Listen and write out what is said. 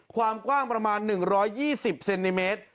ความกว้างประมาณ๑๒๐เซนติเมตร